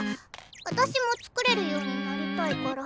私も作れるようになりたいから。